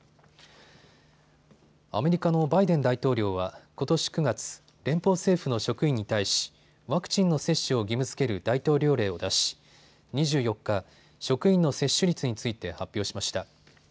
アメリカのバイデン大統領はことし９月、連邦政府の職員に対しワクチンの接種を義務づける大統領令を出し２４日、職員の接種率について発表しました。